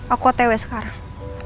aku otw sekarang